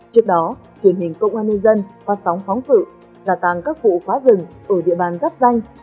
trước đó truyền hình công an nhân dân phát sóng phóng sự giả tàn các vụ phá rừng ở địa bàn giáp danh